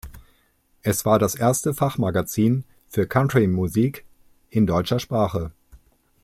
Es war das erste Fachmagazin für Country-Musik in deutscher Sprache.